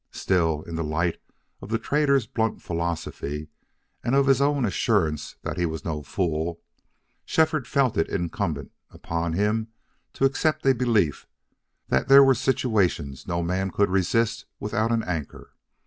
Still, in the light of the trader's blunt philosophy, and of his own assurance that he was no fool, Shefford felt it incumbent upon him to accept a belief that there were situations no man could resist without an anchor.